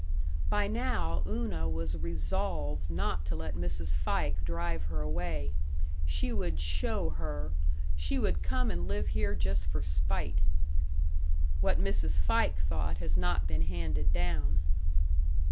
By now Una was resolved not to let Mrs. Fike drive her away. She would "show her"; she would "come and live here just for spite." What Mrs. Fike thought has not been handed down.